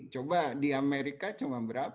coba di amerika cuma berapa